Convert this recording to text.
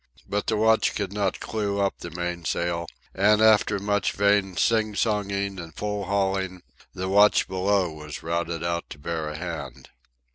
But the watch could not clew up the mainsail, and, after much vain sing songing and pull hauling, the watch below was routed out to bear a hand.